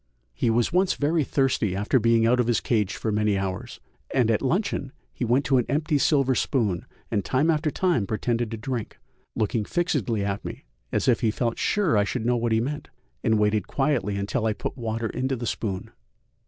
He was once very thirsty after being out of his cage for many hours, and at luncheon he went to an empty silver spoon and time after time pretended to drink, looking fixedly at me as if he felt sure I should know what he meant, and waited quietly until I put water into the spoon.